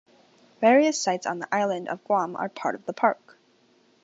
Various sites on the island of Guam are part of the Park.